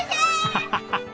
アハハハ！